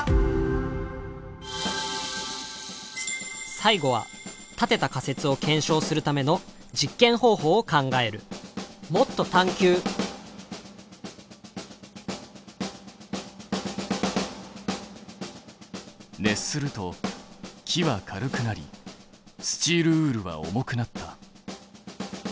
最後は立てた仮説を検証するための実験方法を考える熱すると木は軽くなりスチールウールは重くなった。